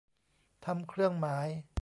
ทำเครื่องหมาย